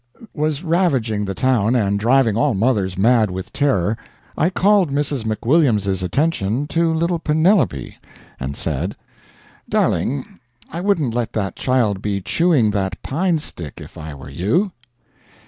] was ravaging the town and driving all mothers mad with terror, I called Mrs. McWilliams's attention to little Penelope, and said: "Darling, I wouldn't let that child be chewing that pine stick if I were you."